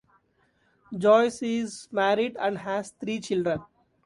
Joyce is married and has three children.